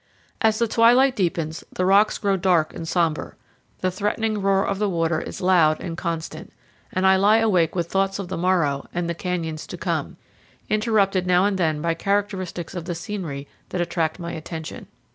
As the twilight deepens, the rocks grow dark and somber; the threatening roar of the water is loud and constant, and I lie awake with thoughts of the morrow and the canyons to come, interrupted now and then by characteristics of the scenery that attract my attention.